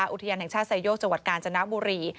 อุทยานแห่งชาติไซโยกจังหวัดกาญจนบุรี